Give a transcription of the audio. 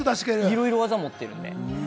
いろいろ技を持ってるので。